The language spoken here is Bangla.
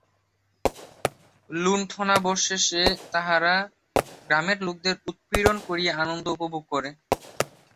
লুণ্ঠনাবশেষে তাহারা গ্রামের লোকদের উৎপীড়ন করিয়া আনন্দ উপভোগ করে।